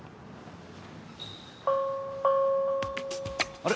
あれ？